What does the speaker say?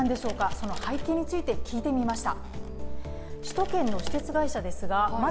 その背景について、聞いてみました。